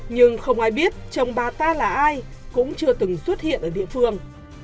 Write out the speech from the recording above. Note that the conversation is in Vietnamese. nhưng không ai biết chồng bà ta là ai cũng chưa từng xuất hiện ở địa phương